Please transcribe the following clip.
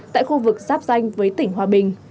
tại khu vực sắp danh với tỉnh hòa bình